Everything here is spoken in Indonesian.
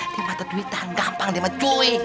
tiba tiba duit tahan gampang deh mah cuy